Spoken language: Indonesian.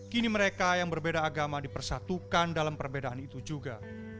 kini mereka yang berbeda agama dipersatukan dalam perbedaan itu juga